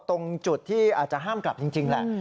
ตรงจุดที่อาจจะห้ามกลับจริงแหละ